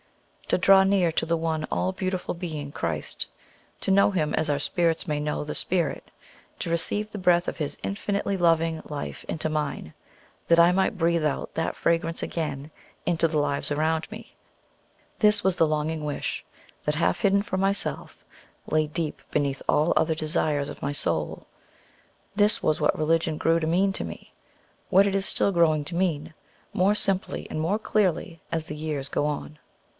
To draw near to the One All Beautiful Being, Christ, to know Him as our spirits may know The Spirit, to receive the breath of his infinitely loving Life into mine, that I might breathe out that fragrance again into the lives around me this was the longing wish that, half hidden from myself, lay deep beneath all other desires of my soul. This was what religion grew to mean to me, what it is still growing to mean, more simply and more clearly as the years go on.